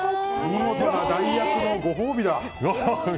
見事な代役のご褒美だ。